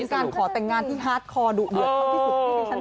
เหมือนเป็นการขอแต่งงานที่ทาร์ดคอดูเหยืดพิสิชฎิต